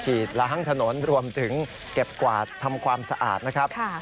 ละห้างถนนรวมถึงเก็บกวาดทำความสะอาดนะครับ